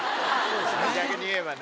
逆に言えばね